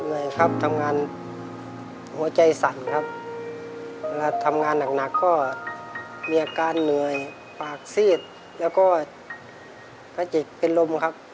เหนื่อยครับทำงานหัวใจสั่นครับเวลาทำงานหนักก็มีอาการเหนื่อยปากซีดแล้วก็พระจิกเป็นลมครับ